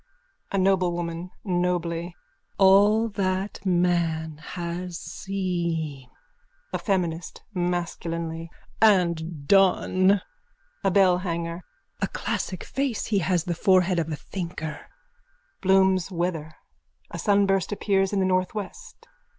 A NOBLEWOMAN: (Nobly.) All that man has seen! A FEMINIST: (Masculinely.) And done! A BELLHANGER: A classic face! He has the forehead of a thinker. _(Bloom's weather. A sunburst appears in the northwest.)